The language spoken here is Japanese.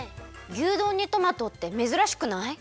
牛丼にトマトってめずらしくない？